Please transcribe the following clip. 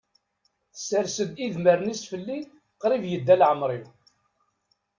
Tessers-d idmaren-is fell-i, qrib yedda laɛmer-iw.